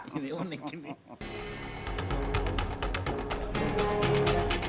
ini unik ini